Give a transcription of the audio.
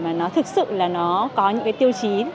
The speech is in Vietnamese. mà nó thực sự là nó có những cái tiêu chí